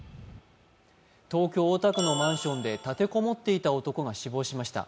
東京・大田区のマンションで立て籠もっていた男が死亡しました。